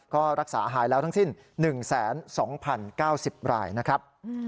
ก็รักษาหายแล้วทั้งสิ้น๑๒๐๙๐รายนะครับ